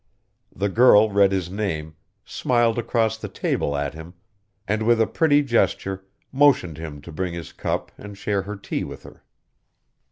The girl read his name, smiled across the table at him, and with a pretty gesture, motioned him to bring his cup and share her tea with her.